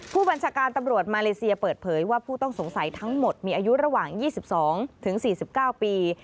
ผู้บัญชาการตำรวจมาเลเซียเปิดเผยว่าผู้ต้องสงสัยทั้งหมดมีอายุระหว่าง๒๒๔๙ปี